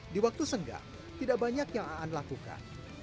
di waktu senggang tidak banyak yang aan lakukan